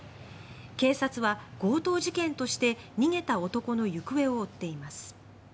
警察は強盗事件として逃げた男の行方を追っています。